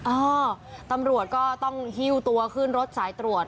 เออตำรวจก็ต้องหิ้วตัวขึ้นรถสายตรวจ